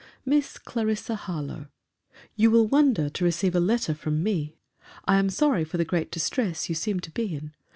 MISS CLARISSA HARLOWE, You will wonder to receive a letter from me. I am sorry for the great distress you seem to be in.